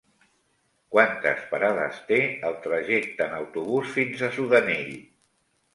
Quantes parades té el trajecte en autobús fins a Sudanell?